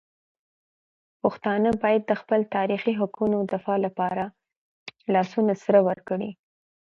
پښتانه باید د خپل تاریخي حقونو دفاع لپاره لاسونه سره ورکړي.